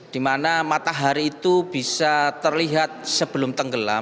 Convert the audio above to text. di mana matahari itu bisa terlihat sebelum tenggelam